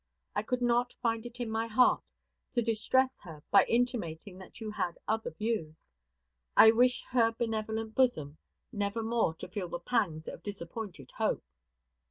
I could not find it in my heart to distress her by intimating that you had other views. I wish her benevolent bosom nevermore to feel the pangs of disappointed hope.